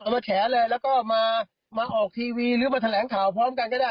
มาแฉเลยแล้วก็มาออกทีวีหรือมาแถลงข่าวพร้อมกันก็ได้